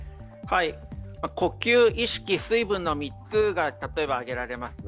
呼吸、意識、水分の３つが例えば挙げられます。